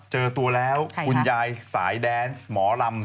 เจอตัวแล้วคุณยายสายแดนหมอลำ